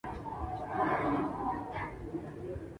La sede titular del arzobispo es la catedral de Antofagasta.